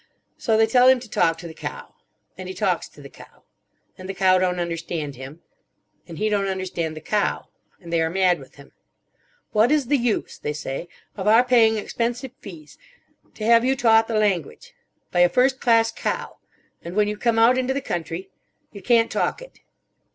So they tell him to talk to the cow. And he talks to the cow. And the cow don't understand him. And he don't understand the cow. And they are mad with him. 'What is the use,' they say. 'Of our paying expensive fees. To have you taught the language. By a first class cow. And when you come out into the country. You can't talk it.